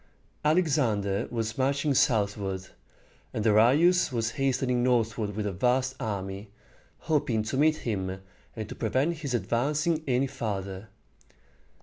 Alexander was marching southward, and Darius was hastening northward with a vast army, hoping to meet him and to prevent his advancing any farther.